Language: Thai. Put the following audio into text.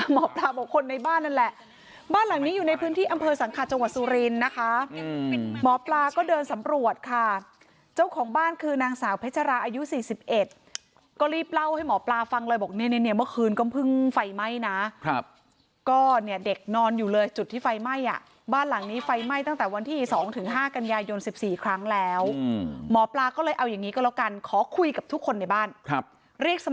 หมอปลาบอกว่าคนในบ้านนั่นแหละบ้านหลังนี้อยู่ในพื้นที่อำเภอสังขาดจังหวัดสุรินนะคะหมอปลาก็เดินสำรวจค่ะเจ้าของบ้านคือนางสาวเพชราอายุสี่สิบเอ็ดก็รีบเล่าให้หมอปลาฟังเลยบอกเนี่ยเนี่ยเมื่อคืนก็เพิ่งไฟไหม้นะครับก็เนี่ยเด็กนอนอยู่เลยจุดที่ไฟไหม้อ่ะบ้านหลังนี้ไฟไหม้ตั้งแต่วันที่ส